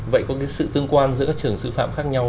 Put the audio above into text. vậy có cái sự tương quan giữa các trường sư phạm khác nhau